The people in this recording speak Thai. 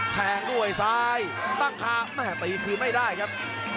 แทงด้วยซ้ายตั้งคาแม่ตีคืนไม่ได้ครับ